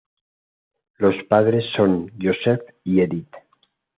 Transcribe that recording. Los padres son József y Edit.